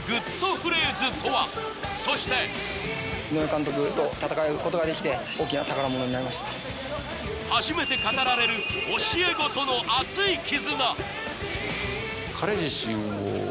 そして井上監督と戦うことができて大きな宝物になりました初めて語られる教え子との熱い絆